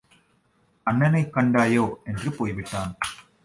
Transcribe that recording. அண்ணனைக் கண்டாயோ என்று போய்விட்டான்.